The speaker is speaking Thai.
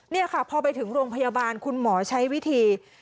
นี่ค่ะพอไปถึงโรงพยาบาลคุณหมอใช้วิธี